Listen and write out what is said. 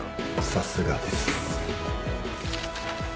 さすがです。